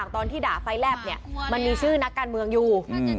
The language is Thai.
ตอนที่ด่าไฟแลบเนี่ยมันมีชื่อนักการเมืองอยู่